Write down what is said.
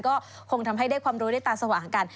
ก็คงทำให้ได้ความรู้ได้ตาสว่างกัน